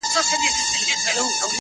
هغې ويله چي برزخ د زندگۍ نه غواړم